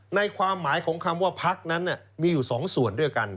ในความหมายของคำว่าพักนั้นมีอยู่๒ส่วนด้วยกัน